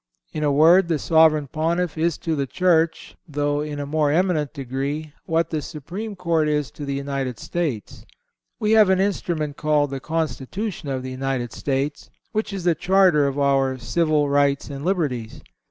In a word, the Sovereign Pontiff is to the Church, though in a more eminent degree, what the Supreme Court is to the United States. We have an instrument called the Constitution of the United States, which is the charter of our civil rights and liberties.